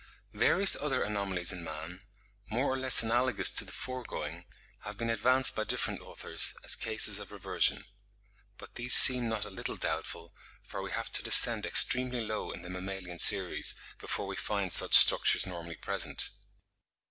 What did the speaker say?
Various other anomalies in man, more or less analogous to the foregoing, have been advanced by different authors, as cases of reversion; but these seem not a little doubtful, for we have to descend extremely low in the mammalian series, before we find such structures normally present.